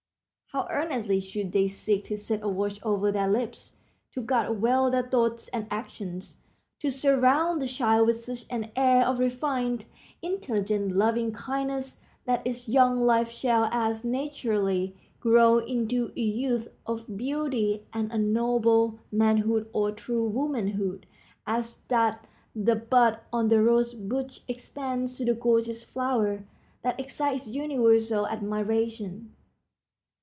How earnestly should they seek to set a watch over their lips, to guard well their thoughts and actions, to surround the child with such an air of refined, intelligent, loving kindness that its young life shall as naturally grow into a youth of beauty and a noble manhood or true womanhood as that the bud on the rose bush expands to the gorgeous flower that excites universal admiration.